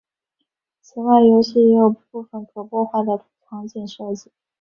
此外游戏也有部分可破坏的场景设计。